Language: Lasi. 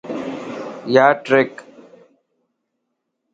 ياٽرک